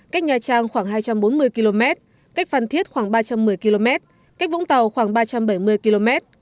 cách nha trang khoảng hai trăm bốn mươi km cách phan thiết khoảng ba trăm một mươi km cách vũng tàu khoảng ba trăm bảy mươi km